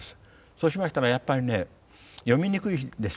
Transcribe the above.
そうしましたらやっぱりね読みにくいですしね。